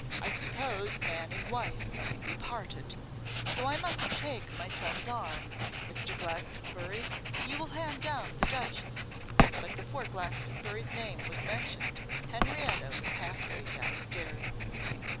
I suppose man and wife must be parted, so I must take my son's arm; Mr. Glastonbury, you will hand down the duchess.' But before Glastonbury's name was mentioned Henrietta was half way down stairs.